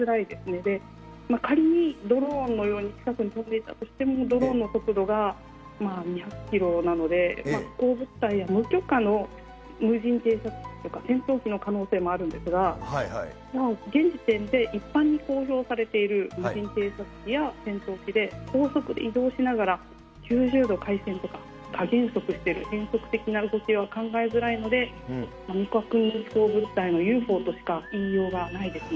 で、仮にドローンのように近くに飛んでいたとしても、ドローンの速度が２００キロなので、飛行物体や無許可の無人偵察機とか、戦闘機の可能性もあるんですが、現時点で一般に公表されている無人偵察機や戦闘機で、高速で移動しながら９０度回転とか、加減速してる、変則的な動きは考えづらいので、未確認飛行物体のＵＦＯとしか言いようがないですね。